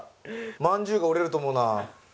まんじゅうが折れると思うな。